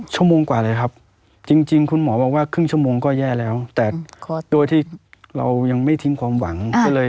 ชั่วโมงกว่าเลยครับจริงคุณหมอบอกว่าครึ่งชั่วโมงก็แย่แล้วแต่โดยที่เรายังไม่ทิ้งความหวัง